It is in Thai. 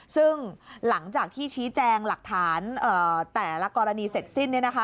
ซึ่งหลังจากที่ชี้แจงหลักฐานแต่ละกรณีเสร็จสิ้น